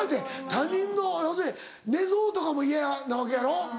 他人の要するに寝相とかも嫌なわけやろ？